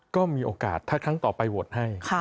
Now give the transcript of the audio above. ก็มีโอกาสถ้าครั้งต่อไปโหวตให้